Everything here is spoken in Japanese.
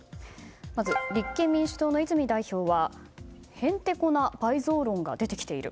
まず立憲民主党の泉代表はへんてこな倍増論が出てきている。